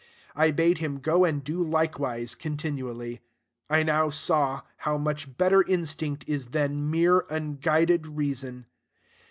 I bade him go and do likewise continually. I now saw how much better instinct is than mere unguided reason.